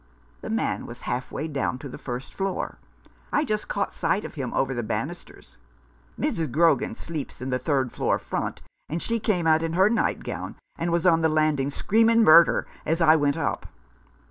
The man was halfway down to the first floor. I just caught sight of him over the banisters. Mrs. Grogan sleeps in the third floor front, and she came out in her nightgown, and was on the land ing screaming murder as I went up.